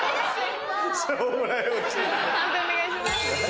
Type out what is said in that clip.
判定お願いします。